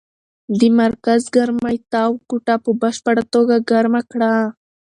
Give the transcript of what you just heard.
د مرکز ګرمۍ تاو کوټه په بشپړه توګه ګرمه کړه.